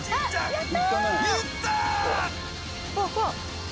いった！